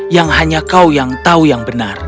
yang hanya kau yang tahu yang benar